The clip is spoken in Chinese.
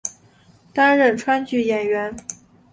担任川剧演员。